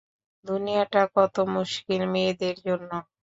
দুনিয়াটা কত মুশকিল মেয়েদের জন্য!